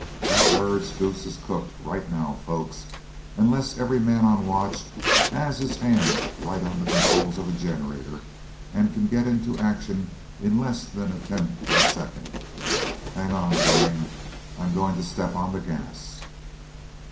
That bird's goose is cooked right now, folks, unless every man on watch has his hand right on the controls of a generator and can get into action in less than a tenth of a second! Hang on, gang, I'm going to step on the gas!"